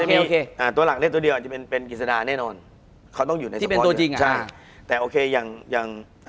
คุณผู้ชมบางท่าอาจจะไม่เข้าใจที่พิเตียร์สาร